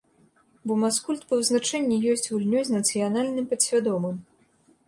Бо маскульт па вызначэнні ёсць гульнёй з нацыянальным падсвядомым.